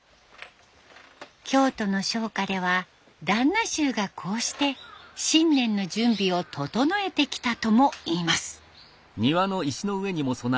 京都の商家では旦那衆がこうして新年の準備を整えてきたともいいます。